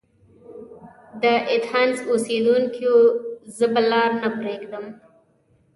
د ایتهنز اوسیدونکیو! زه به لار نه پريږدم.